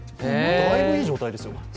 だいぶいい状態ですよ、これ。